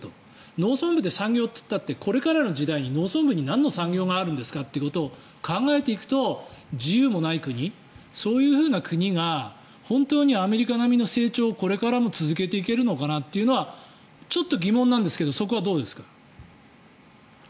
農村部で産業といったってこれからの時代に農村部になんの産業があるんですかってことを考えていくと自由もない国そういうふうな国が本当にアメリカ並みの成長をこれからも続けていけるのかはちょっと疑問なんですけどそこはどうですか？